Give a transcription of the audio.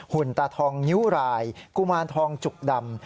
ตาทองนิ้วรายกุมารทองจุกดำ